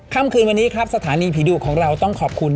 ค่ำคืนวันนี้ครับสถานีผีดุของเราต้องขอบคุณ